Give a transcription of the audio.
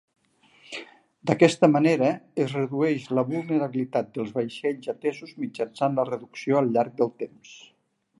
D'aquesta manera es redueix la vulnerabilitat dels vaixells atesos mitjançant la reducció al llarg del temps.